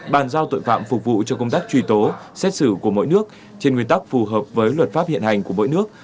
bàn giao tội phạm phục vụ cho công tác truy tố xét xử của mỗi nước trên nguyên tắc phù hợp với luật pháp hiện hành của mỗi nước